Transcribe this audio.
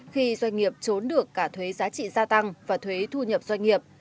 khi doanh nghiệp trốn được cả thuế giá trị gia tăng và thuế thu nhập doanh nghiệp